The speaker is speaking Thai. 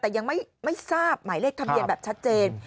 แต่ยังไม่ทราบหมายเลขทะเบียนแบบชัดเจน